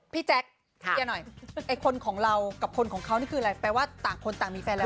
แจ๊คเคลียร์หน่อยไอ้คนของเรากับคนของเขานี่คืออะไรแปลว่าต่างคนต่างมีแฟนแล้ว